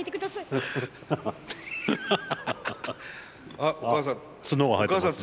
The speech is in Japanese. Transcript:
あお母さん。